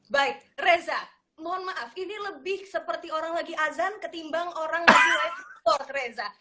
baik reza mohon maaf ini lebih seperti orang lagi azan ketimbang orang lagi sport reza